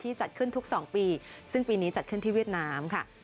จัดขึ้นทุก๒ปีซึ่งปีนี้จัดขึ้นที่เวียดนามค่ะ